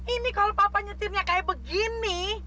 ini kalau papa nyetirnya kayak begini